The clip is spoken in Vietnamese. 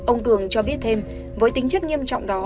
ông cường cho biết thêm với tính chất nghiêm trọng đó